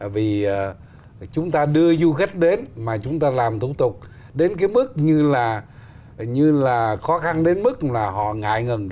vì chúng ta đưa du khách đến mà chúng ta làm thủ tục đến cái mức như là như là khó khăn đến mức là họ ngại ngần